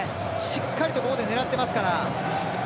しっかりとここで狙ってますから。